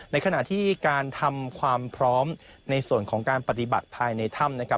ในขณะที่การทำความพร้อมในส่วนของการปฏิบัติภายในถ้ำนะครับ